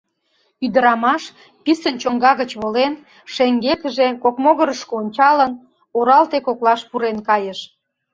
Ӱдырамаш, писын чоҥга гыч волен, шеҥгекыже, кок могырышкыжо ончалын, оралте коклаш пурен кайыш.